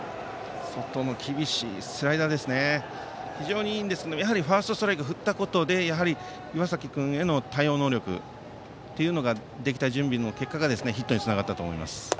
外の厳しいスライダーですが非常にいいんですがやはりファーストストライクを振ったことで岩崎君への対応能力というのができた、準備の結果がヒットにつながったと思います。